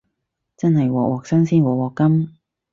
真係鑊鑊新鮮鑊鑊甘